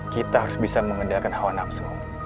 kita harus bisa mengendalikan hawa nafsu